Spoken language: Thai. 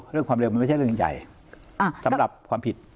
ความเร็วมันไม่ใช่เรื่องใหญ่สำหรับความผิด